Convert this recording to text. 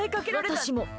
私も。